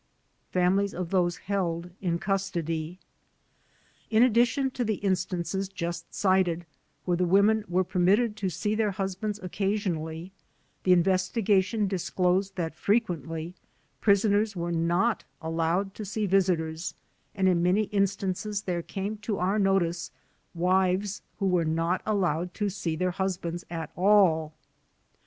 Families of Those Held in Custody In addition to the instances just cited where the women were permitted to see their husbands occasionally, the investigation disclosed that frequently prisoners were not allowed to see visitors and in many instances there came to our notice wives who were not allowed to see their husbands at all.